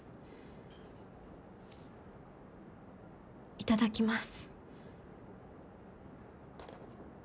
いただきます。